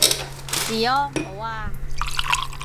治安好啊